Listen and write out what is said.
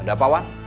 ada apa wan